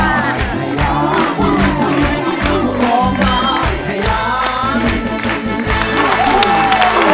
อาหารที่อร่อยสุดในชีวิตคู่ของพี่คืออะไร